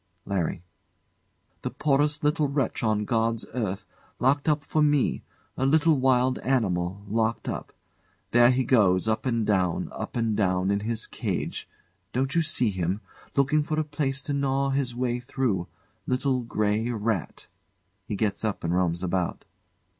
LARRY. The poorest little wretch on God's earth locked up for me! A little wild animal, locked up. There he goes, up and down, up and down in his cage don't you see him? looking for a place to gnaw his way through little grey rat. [He gets up and roams about.